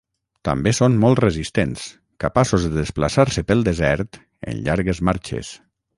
També són molt resistents, capaços de desplaçar-se pel desert en llargues marxes.